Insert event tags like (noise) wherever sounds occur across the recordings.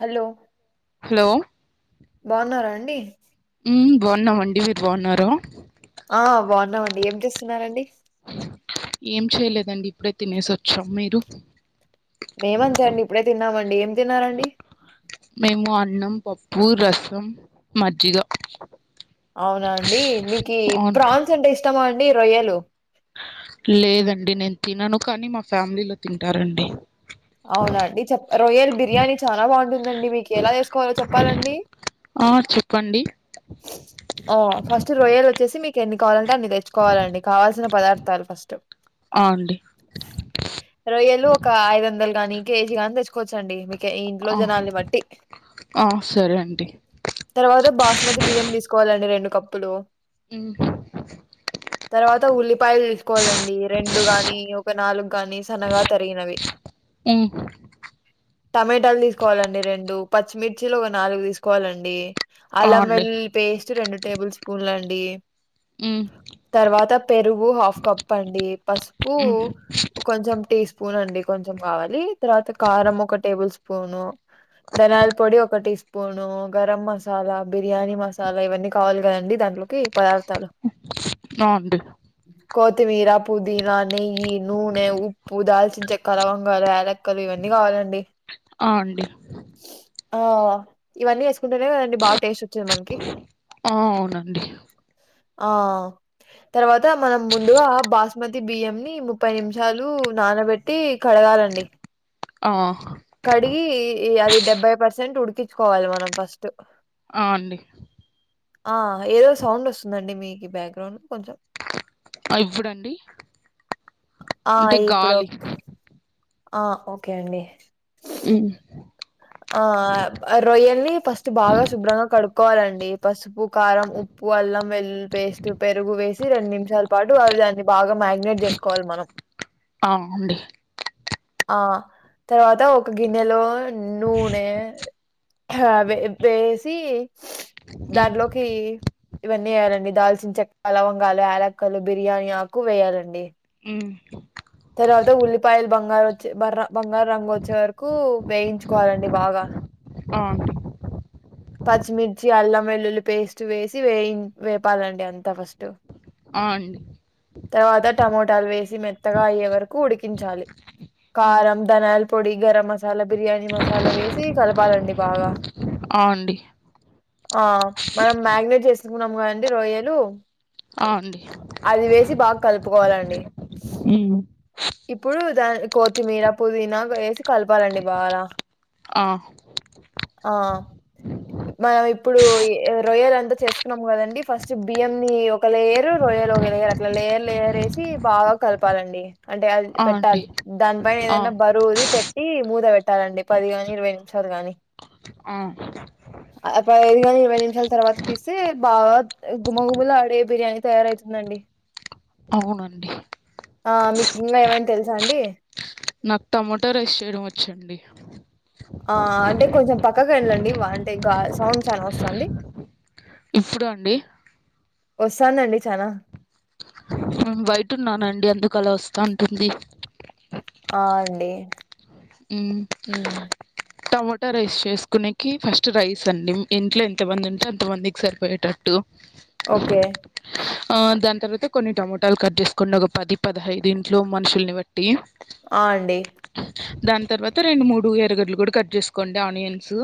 Hello hello బాగున్నారా అండి మ్ బాగున్నమండి మీరు బాగున్నారా ఆ బాగున్నామండి ఏం చేస్తున్నారండి ఏం చేయలేదండి ఇప్పుడే తినేసి వచ్చాం మీరు మేమంతే అండి ఇప్పుడే తిన్నామండి ఏం తిన్నారండి మేము అన్నం, పప్పు, రసం, మజ్జిగా అవునా అండి మీకి అవును ప్రాన్స్ అంటే ఇష్టమా అండ్ లేదండి నేను తినను కానీ మా ఫ్యామిలీలో తింటారండి అవునండి చెప్ రొయ్యల్ బిర్యానీ చానా బాగుంటుందండి మీకు ఎలా చేసుకోవాలో చెప్పాలండి ఆ చెప్ ఆ ఫస్ట్ రొయ్యల్ వచ్చేసి మీకు ఎన్ని దాన్ని తెచ్చుకోవాలండి కావాల్సిన పదార్థాలు ఫస్ట్ ఆ అండి రొయ్యలు ఒక ఐదు వందలు గాని కేజీ కానీ తెచ్చుకో కోవచ్చండి మీకి ఇంట్లో ఆ జనాల్ని బట్టి ఆ సరే అండి తర్వాత బాస్మతి బియ్యం తీసుకోవాలండి రెండు కప్పులు ఉమ్ పాయలు తీసుకోవాలండి రెండు గాని ఒక నాలుగు గాని సన్నగా తరిగినవి మ్మ్ టమటాలు తీసుకోవాలండి రెండు పచ్చిమిర్చిలు ఒక నాలుగు తీసుకోవాలండి ఆ అల్లం అండి వెల్లులీ పేస్ట్ రెండు టేబుల్ స్పూన్లు అండి ఉమ్ తర్వాత పెరుగు హాఫ్ కప్ అండి పసుపు మ్మ్ కొంచెం టీ స్పూన్ స్పూన్ అండి కొంచెం కావాలి తర్వాత కారం ఒక టేబుల్ స్పూను ధనయాల పొడి ఒక టీ స్పూను గరం మసాలా బిర్యానీ మసాలా ఇవన్నీ కావాలి కదండి దాంట్లో కి పదార్థాలు ఆ అండి కొత్తిమీర పుదీనా నెయ్యి నూనె ఉప్పు దాల్చిన చెక్క లవంగాలు యాలకలు ఇవన్నీ కావాలండి ఆ అండి ఆ ఇవన్నీ ఎస్ కుంటేనే కదండి బాగా టేస్ట్ వచ్చేది మనకి ఆ అవునండి ఆ తర్వాత మనం ముందుగా బాస్మతి బియ్యం ని ముప్పై నిమిషాలు నానబెట్టి కడగా అండి ఆ కడిగి అది డెబ్బై పర్సెంట్ ఉడికించుకోవాలి మనం ఫస్ట్ ఆ అండి ఆ ఏదో సౌండ్ వసున్దండి మీకి బ్యాగ్రౌండ్ లో కొంచెం ఇప్పుడండి ఆ అంటే గాలి ఇప్పుడోకే ఆ ఓకే అండి. మ్ ఆ ఆ రొయ్యల్ని ఫస్ట్ బాగా శుభ్రంగా కడుక్కోవాలండి పసుపు. కారం, ఉప్పు, అల్లం వెల్లుల్లి పేస్ట్, పెరుగు వేసి రెన్ నిమిషాల్ పాటు అవి దాన్ని బాగా మ్యాగ్నేట్ జే. స్కోవలి మనం అ (unintelligible) అండి ఆ తర్వాత ఒక గిన్నెలో నుూనే అవే బేసి మ్మ్ దాన్ట్లోకి ఇవన్నీ ఏయాలండి దాల్చిన చెక్క, లవంగాలు, యాలక్కలు, బిర్యానీ ఆకు వేయాలండి. మ్ తర్వాత ఉల్లిపాయలు బంగారు వచ్చే బర్ర బంగారు రంగోచ్చే వరకు వేయించుకోవాలండి బాగా. అవును పచ్చిమిర్చి, అల్లం వెల్లుల్లి పేస్ట్ వేసి వేయిన్ వేపాలండి అంత ఫస్ట్. ఆ అండి తర్వాత టమోటాలు వేసి మెత్తగా అయ్యే వరకు ఉడికించాలి కారం, ధనాల్. పొడి గరం మసాలా బిర్యానీ మసాలా వేసి కలపాలండి బాగా ఆ అండి ఆ మనం మ్యాగినేట్ చేసుకున్నాము కదండీ రొయ్యలు. ఆ అండి అది వేసి బాగా కల్పుకోవాలండి (unintelligible) న్ కొత్తిమీర పుదీనా గా ఏసి కలపాలండి బాగా ఆ ఆ మనం ఇప్పుడు ఈ రొయ్యలంతా చేసుకున్నాం కదండి, ఫస్ట్ బియ్యన్నీ ఒక లేయరు రో. రొయ్యలు ఒక లేయర్ అట్లా లేయర్ లేయర్ ఏసి బాగా కలపాలండి అంటే అది ఆ అండి పెట్టాలి దాన్పైన ఆ ఏదన్న బరువుది పెట్టి మూద పెట్ ట్టాలండి పది గాని ఇరవై నిమిషాలు గాని అ అ పదైదుగాని, ఇరవై నిమ్షాల తర్వాత తీస్తే బాగా గుమ్మగుమ్మలాడే బిర్యానీ తయారయితుందండి. (inaudible) అవునండి ఆ మీకు ఇంగా ఏమైనా తెలుసాండి నాక్ టమోటా రైస్ చేయడం వచ్చండి ఆ అంటే కొంచెం పక్కకేళ్ళండి వామ్టే గా సౌండ్ చాలా వస్సాంది. ఇప్పుడు అండి వస్సాందండి చానా మేం బయటున్నానండి అందుకలా వస్తాంటుంది ఆ అండి మ్ హ్మ్. టమోటా రైస్ చేసుకునేకి ఫస్ట్ రైస్ అండి, మ్ ఇంట్లో ఎంతమంది ఉంటే అంత మందికి సరిపోయేటట్టు. ఓకే ఆ దాని తర్వాత కొన్ని టమోటాలు కట్ చేసుకోంని ఒక పది పదహైదు ఇంట్లో మనుషుల్ని బట్టి ఆ! అండి. టీ దాని తర్వాత రెండు మూడు ఎరగడ్లు కూడా కట్ చేసుకోండి ఆనియన్స్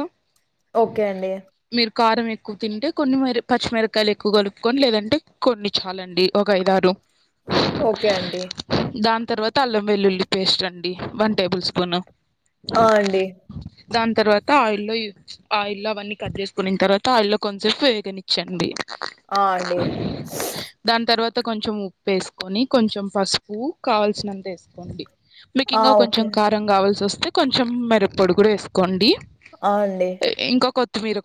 ఓకే అండి మీరు కారం ఎక్కువ తింటే కొన్ని మిర పచ్చిమిరకాయలు ఎక్కువ కలుపుకొని లేదంటే కొన్ని చాలండి ఒక ఐదారు ఓకే అండి దాని తర్వాత అల్లం వెల్లుల్లి పేస్ట్ అండి వన్ టేబుల్ స్పూను ఆ అండి దాని తర్వాత ఆయిల్లో ఆయిల్లో అవన్నీ కట్ చేసుకున్న తర్వాత ఆయిల్లో కొంతసేపు వేగనిచ్చండి ఆ అండి అ కొంచెం ఉప్పు వేసుకొని కొంచెం పసుపు కావాల్సినంత వేసుకోండి మీకు ఆ! ఇంకా ఓకే. కొంచెం కారం కావాల్సి వస్తే కొంచెం మిరప పొడి కూడా వేసుకోండి అ అండి ఇంకా కొత్తిమీర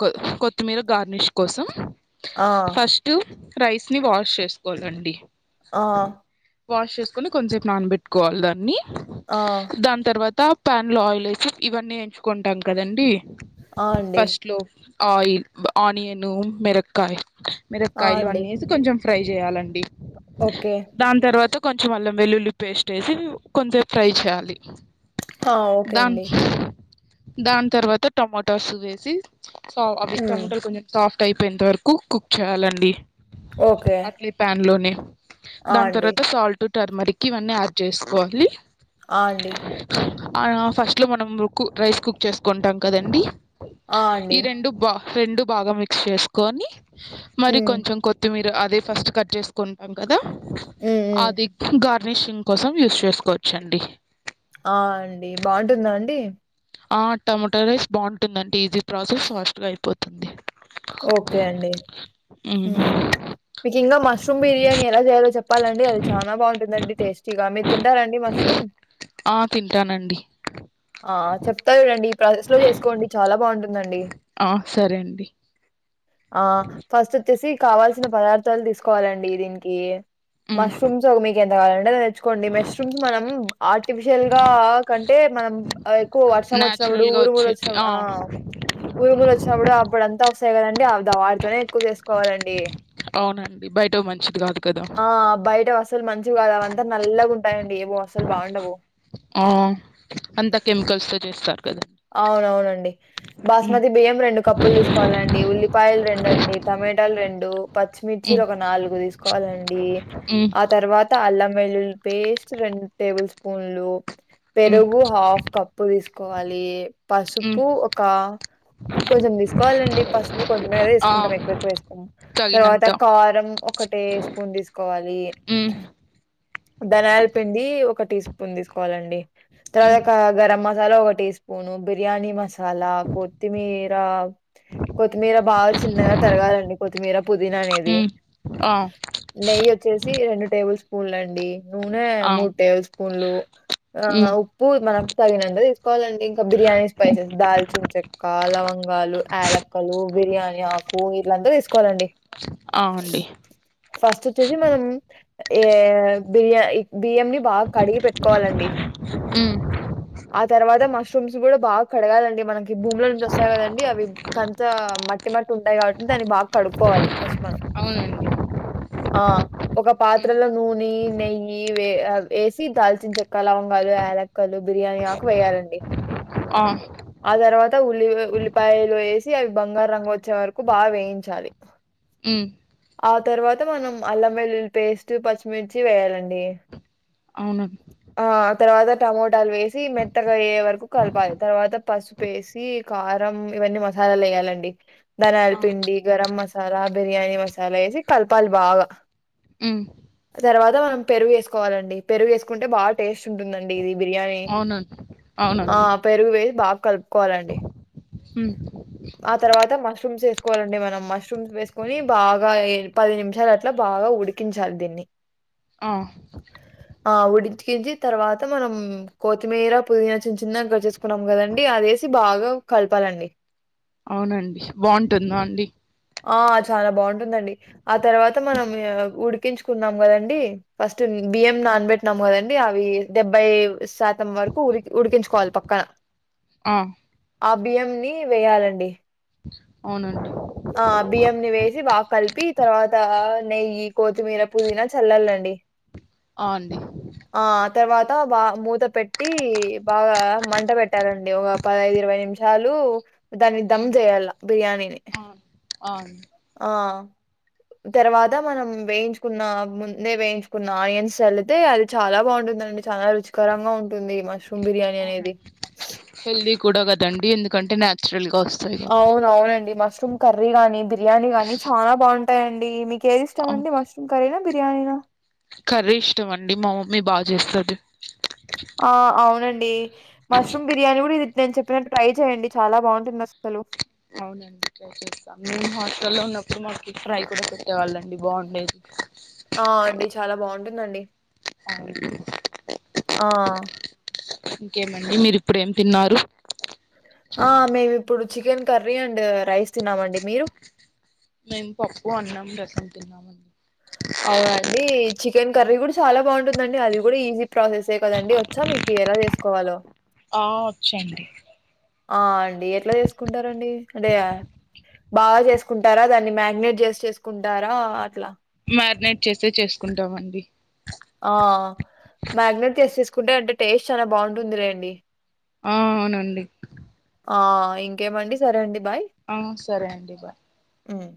కొత్తిమీర గార్నిష్ కోసం ఆ! ఫస్ట్ రైస్ని వాష్ చేసుకోవాలండి ఆ వాష్ చేసుకొని కోన్ సేపు నానబెట్టుకోవాలి దాన్ని ఆ! దాని తర్వాత ప్యాన్లో ఆయిల్ వేసి ఇవన్నీ ఎంచుకుంటాం కదండి ఆ అండి ఫస్ట్ లో ఆయిల్ ఆనియను మిరకాయ ఆ! మిరకాయలు అని అండి. వేసి కొంచెం ఫ్రై చేయాలండి ఓకే. దాని తర్వాత కొంచెం అల్లం వెల్లుల్లి పేస్ట్ వేసి కొంత ఫ్రై చేయాలి ఆ! ఓకే దాన్ అండి. దాని తర్వాత టమాటోస్ వేసి సో అవి హ్మ్. టమాటాలు కొంచెం సాఫ్ట్ అయిపోయేంత వరకు కుక్ చేయాలండి ఓకే. అట్లే ప్యాన్ లోనే ఆ! దాని అండి. తర్వాత సాల్ట్ టర్మరిక్ ఇవన్నీ యాడ్ చేసుకోవాలి ఆ అండి ఆ ఫస్ట్లో మనం కు రైస్ కుక్ చేసుకుంటాం కదండీ ఆ! ఈ అండి. రెండు బా రెండు బాగా మిక్స్ చేసుకొని మరి హ్మ్. కొంచెం కొత్తిమీర అది ఫస్ట్ కట్ చేసుకుంటాం కదా హ్మ్. హ్మ్. అది గార్నిషింగ్ కోసం యూస్ చేసుకోవచ్చు చండి ఆ! అండి. బావుంటుందా అండి? ఆ టమాటో రైస్ బాగుంటుందంటే ఈజీ ప్రాసెస్ ఫాస్ట్ గా అయిపోతుంది ఓకే అండి ఉమ్ మీకు ఇంకా మష్రూమ్ బిర్యానీ ఎలా చేయాలో చెప్పాలండి అది చాలా బాగుంటుందండి టేస్టీ గా మీరు తింటారండి మష్రూమ్ మ్మ్ ఆ తింటానండి ఆ! చెప్తా చూడండి ఈ ప్రాసెస్ లో చేసుకోండి చాలా బాగుంటుందండి ఆ సరే అండి ఆ ఫస్ట్ వచ్చేసి కావాల్సిన పదార్థాలు తీసుకోవాలండి దీనికి మ్మ్. మష్రూమ్స్ ఓ మీకు ఎంత కావాలంటే కోండి మష్రూమ్స్ మనం ఆర్టిఫిషియల్ గా కంటే మనం ఎక్కువ వర్షం వచ్చినప్పుడు న్యాచురల్గా ఊరుములు వచ్చేటి వచ్చినప్పుడు ఆ ఊరుములు వచ్చినప్పుడు అప్పుడ అంతా వ తాయి కదండి అ వాటితోనే ఎక్కువ చేసుకోవాలండి అవునండి బయటవి మంచిది కాదు కదా ఆ బయట అసలు మంచి కాదు అవంతా నల్లగా ఉంటాయండి ఏవో అసలు బాగుండవు ఆ అంత కెమికల్స్ తో చేస్తారు కదండి అవునవునండి మ్మ్. బాస్మతి బియ్యం రెండు కప్పులు దీసుకోవాలండి ఉల్లిపాయలు రె ండండి టమెటాలు రెండు పచ్చిమిర్చిలు మ్మ్. ఒక నాలుగు దీసుకోవాలండి మ్మ్. ఆ తర్వాత అల్లం వెల్లులి పేస్ట్ రెండు టేబుల్ స్పూన్లు మ్మ్. పెరుగు హాఫ్ కప్పు దీసుకోవాల్ లీ హ్మ్ పసుపు ఒక కొంచం దీసుకోవాలండి పసుపు కొంచెమేగద ఆ ఏస్కుంటాం ఎక్కువ ఎక్కువ ఏస్కోమ్ తర్వాత తగినంత కారం ఒకటే స్పూన్ దిస్కోవాలి హ్మ్ ధన్యాల్ పిండి ఒక టీ స్పూన్ దిస్కోవాలండి హ్మ్ తరాక గరం మసాలా ఒగ టీ స్పూను బిర్యానీ మస్ సాలా కొత్తిమీర కొత్తిమీర బాగా చిన్నగా తరగాలండి కొత్తిమీర పుదీనా అనేది హ్మ్ ఆ నెయ్యొచ్చేసి రెండు టేబుల్ స్పూండ్లండి నూనె ఆ మూడు టేబుల్ స్పూన్లు ఆ హ్మ్ ఉప్పు మనకు తగినంత దీస్కోవాలండి క బిర్యానీ స్పైసెస్ దాల్చిన్ చెక్క లవంగాలు యాలక్కలు బిర్యానీ ఆకు వీళ్లంతా దీస్ కోలండి ఆ అండి ఫస్ట్ వచ్చేసి మనం ఏ బిర్యా ఇ బియ్యం ని బాగా కడిగి పెట్టుకోవాలండి హ్మ్ ఆ తర్వాత మష్ బాగ కడగాలండి మనకి భూములో నుంచి వస్తాయి గదండి అవి కంత మట్టి మట్టి ఉంటాయ్ గాబట్టి దాన్ని బాగా కడుక్కోవాలి ఫస్ట్ మనం అవునండి ఆ ఒగ పాత్రలో నూనె నెయ్యి వె ఆ వేసి దాల్చిన చెక్క లవంగాలు యాలక్కలు బిర్యానీ ఆకు వేయ్యాలండి ఆ ఆ తర్వాత ఉల్లి ఉల్లిపాయలు వేసి అవి బంగారు రంగు వచ్చే వరకు బాగ్ వేయించాలి హ్మ్ ఆ తర్వాత మనం అల్లం వెల్లుల్లి పేస్టు పచ్చిమిర్చి వేయాలండి అవునా ఆ తర్వాత టమోటాలు వేసి మెత్తగయ్యే వరకు కల్పాలి తర్వాత పసుపేసి కారం ఇవన్నీ మసాలాలు ఏయాలండి దానాల్ ఆ పిండి గరం మసాలా ఆ బిర్యానీ మసాలా ఏసి కల్పాలి బాగా హ్మ్ తర్వాత మనం పెరుగు ఏసుకోవాలండి పెరుగు ఏస్కుంటే బాగ టేస్ట్ ఉంటుందండి ఇది బిర్యానీ అవునండి ఆ అవునండి పెరుగు వేసి బాగ్ కలుపుకోవాలండి ఉ ఆ తర్వాత మష్రూమ్స్ ఏస్ కోల్లండి మనం మష్రూమ్స్ వేస్కొని బాగా ఏ పది నిమిషాలు అట్ల బాగా ఉడికించాలి దీన్ని ఆ ఆ ఉడించికించి తర్వాత మనం కొత్తిమీర పుదీనా చిన్న చిన్నగా గడ్ జేసుకున్నాం గదండి అదే సి బాగా కల్పాలండి అవునండి బాంటుందా అండి ఆ చాలా బాంటుందండి ఆ తర్వాత మనం ఉడికించుకున్నాం గదండి ఫస్టు బియ్యం నాన్బెట్నామ్ గదండి అవి డెబ్బై శాతం వరకు ఉరికి ఉడికించుకోవాలి పక్కన ఆ ఆ బియ్యం ని వేయాలండి అవునా అండి ఆ బియ్యంని వేసి బాగ్ కల్పి తర్వాత నెయ్యి కొత్తిమీర పుదీనా చల్లల్లం డి ఆ అండి తర్వాత బా మూత పెట్టి బాగా మంట పెట్టాలండి ఒగ పదైదు ఇరవై నిమ్షాలు దాన్ని దమ్ హ్మ్ చేయాల బిర్యానీని ఆ ఆ అండి ఆ తర్వాత మనం వేయించుకున్న ముందే వేయించుకున్న ఆనియన్స్ చల్లితే అది చాలా బాగుంటు ందండి చాలా రుచికరంగా ఉంటుంది మష్రూమ్ బిర్యానీ అనేది అవునండి హెల్దీ కూడా కదండి ఎందుకంటే నన్చురల్ అవున అవునండి మష్రూమ్ కర్రీ గాని బిర్యానీ గాని చాలా బాగుంటాయిండి మీకు ఏది కా ఇష్టమండి మష్రూమ్ కరీనా బిర్యానీనా కర్రీ ఇష్టం అండి మా మమ్మీ బాగా చేస్తది ఆ! అవునండి. మష్రూమ్ బిర్యానీ కూడా ఇది నేను చెప్పినట్టు ట్రై చెయండి చాలా బాగుంటుంది అసలు అవునండిసస్తాం మేము హాస్టల్లో ఉన్నప్పుడు మాకి ఫ్రై కూడా పెట్టేవాళ్ళండి బాగుండేది ఆ అండి చాలా బాగుంటుందండి అవును ఆ ఇంకేమండి మీరిప్పుడు ఏం తిన్నారు ఆ మేము ఇప్పుడు చికెన్ కర్రీ అండ్ రైస్ తిన్నమండి మీరు మేము పప్పు అన్నాం రసం తిన్నామండి అవునండి చికెన్ కర్రీ కూడా చాలా బాగుంటుందండి అది కూడా ఈజీ ప్రాసెసే కదండి వచ్చా మీకు ఎలా చేసుకోవాలో ఆ వచ్చండి ఆ అండి ఎట్లా చేసుకుంటారండి అంటే బాగా చేసుకుంటారా దాన్ని మ్యాగ్ిననేట్ చేసి చేసుకుంటారా అట్లా మ్యారినేట్ చేస్తే చేసుకుంటామండి ఆ మ్యాగినేట్ తీసేసుకుంటే అంటే టేస్ట్ చాలా బాగుంటుంది లేండి ఆ అవునండి ఆ ఇంకేమండి సరే అండి ఆ సరే అండి బాయ్ మ్